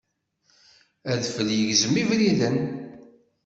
Adfel yegzem ibriden.